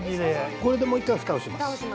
これでもう一回蓋をします。